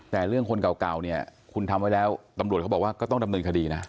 แต่เรื่องคนเก่าเนี่ยคุณทำไว้แล้วตำรวจเขาบอกว่าก็ต้องดำเนินคดีนะ